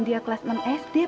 dia salah satu